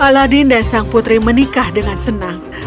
aladin dan sang putri menikah dengan senang